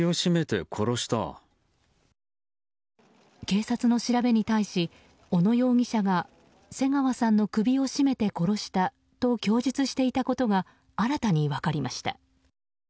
警察の調べに対し小野容疑者が瀬川さんの首を絞めて殺したと供述していたことが新たに分かりました。